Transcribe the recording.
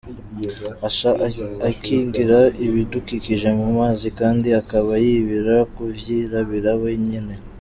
Asha akingira ibidukikije mu mazi kandi akaba yibira kuvyirabira we nyene.